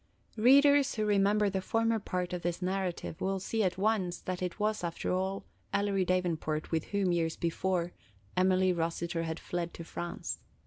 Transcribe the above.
Readers who remember the former part of this narrative will see at once that it was, after all, Ellery Davenport with whom, years before, Emily Rossiter had fled to France.